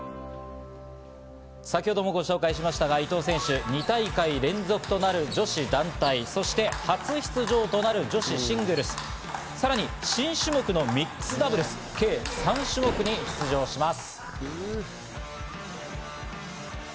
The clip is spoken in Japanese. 先程もご紹介しましたが、伊藤選手、２大会連続となる女子団体、そして初出場となる女子シングルス、さらに新種目のミックスダブルス、計３種目に出場します。